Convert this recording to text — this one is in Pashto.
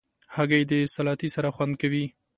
هګۍ د سلاتې سره خوند کوي.